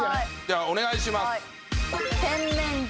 お願いします。